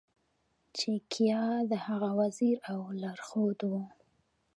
چാണکیا د هغه وزیر او لارښود و.